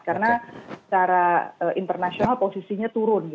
karena secara internasional posisinya turun